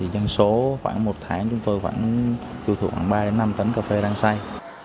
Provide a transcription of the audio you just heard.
nhân số khoảng một tháng chúng tôi vẫn tiêu thụ khoảng ba năm tấn cà phê rang xay